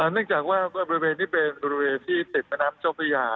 เนื่องจากว่าบริเวณนี้เป็นบริเวณที่ติดแม่น้ำเจ้าพระยา